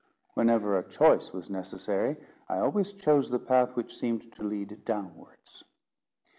Whenever a choice was necessary, I always chose the path which seemed to lead downwards.